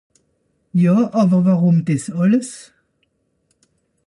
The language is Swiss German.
Ja àwer wùrùm dìs àlles ?